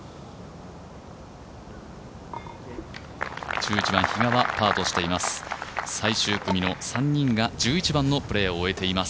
１１番、比嘉はパーとしています。